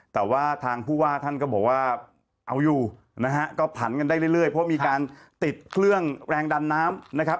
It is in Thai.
แต่ว่าทางผู้ว่าท่านก็บอกว่าเอาอยู่นะฮะก็ผันกันได้เรื่อยเพราะมีการติดเครื่องแรงดันน้ำนะครับ